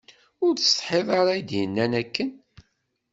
Ur tettsetḥiḍ ara i d-yennan akken.